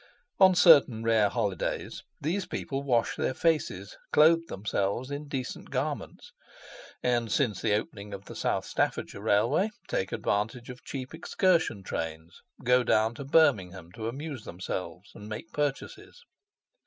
On certain rare holidays these people wash their faces, clothe themselves in decent garments, and, since the opening of the South Staffordshire Railway, take advantage of cheap excursion trains, go down to Birmingham to amuse themselves and make purchases.